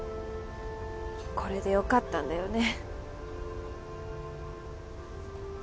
これでよかったんだよね。